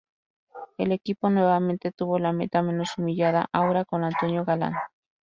El equipo nuevamente tuvo la meta menos humillada, ahora con Antonio Galán.